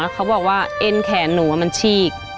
เขาบอกว่าเอ็นแขนหนูมันฉีก